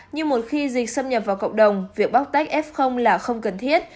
nhưng một khi dịch xâm nhập vào cộng đồng việc bóc tách f là không cần thiết